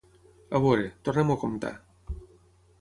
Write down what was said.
A veure, tornem-ho a comptar.